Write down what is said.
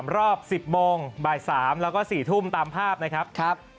รอบ๑๐โมงบ่าย๓แล้วก็๔ทุ่มตามภาพนะครับ